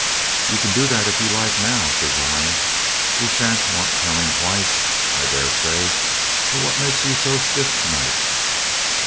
'You can do that if you like now,' says I; 'we shan't want telling twice, I daresay. But what makes you so stiff to night?'